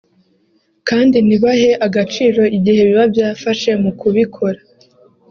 kandi ntibahe agaciro igihe biba byafashe mu kubikora